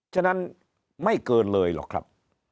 ฉะนั้นไม่เกินเลยหรอกครับ